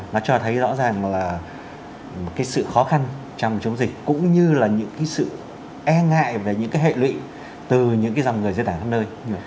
nó cho thấy rõ ràng là cái sự khó khăn trong chống dịch cũng như là những cái sự e ngại về những cái hệ lụy từ những cái dòng người dân đảo khắp nơi